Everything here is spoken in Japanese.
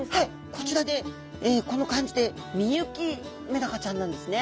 こちらでこの漢字で幹之メダカちゃんなんですね。